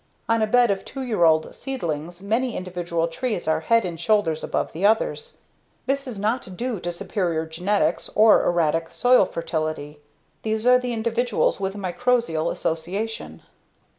On a bed of two year old seedlings, many individual trees are head and shoulders above the others. This is not due to superior genetics or erratic soil fertility. These are the individuals with a mycorrhizal association.